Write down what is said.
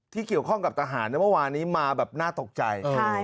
ที่เกี่ยวข้องกับทหารในเมื่อวานนี้มาแบบน่าตกใจ